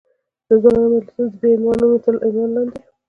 د ځوانانو مجلسونه، ددې عنوانونو تر عنوان لاندې.